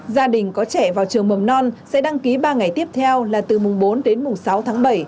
gia đình có trẻ vào trường mầm non sẽ đăng ký ba ngày tiếp theo là từ mùng bốn đến mùng sáu tháng bảy